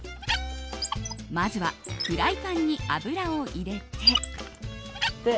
まずはフライパンに油を入れて。